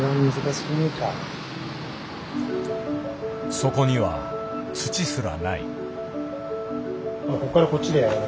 そこには土すらない。